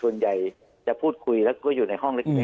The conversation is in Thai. ส่วนใหญ่จะพูดคุยแล้วก็อยู่ในห้องเล็ก